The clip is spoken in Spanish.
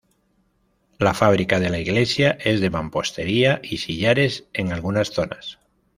La fábrica de la iglesia es de mampostería y sillares en algunas zonas.